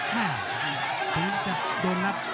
ฮือถึงจะโดนนับ